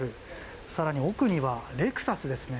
更に、奥にはレクサスですね。